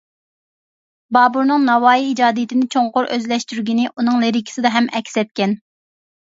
بابۇرنىڭ ناۋايى ئىجادىيىتىنى چوڭقۇر ئۆزلەشتۈرگىنى ئۇنىڭ لىرىكىسىدا ھەم ئەكس ئەتكەن.